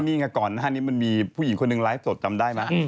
นี่ไงก่อนหน้านี้มันมีผู้หญิงคนหนึ่งไลฟ์สดจำได้ไหม